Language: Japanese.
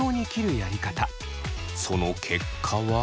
その結果は。